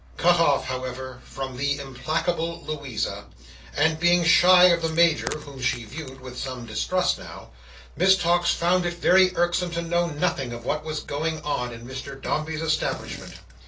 Cut off, however, from the implacable Louisa, and being shy of the Major (whom she viewed with some distrust now), Miss Tox found it very irksome to know nothing of what was going on in Mr Dombey's establishment.